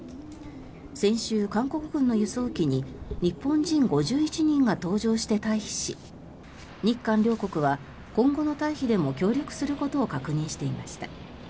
先週、韓国軍の輸送機に日本人５１人が搭乗して退避し日韓両国は今後の退避でも協力することを確認していました。